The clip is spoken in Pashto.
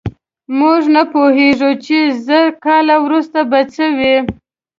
موږ نه پوهېږو، چې زر کاله وروسته به څه وي.